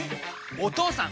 お義父さん！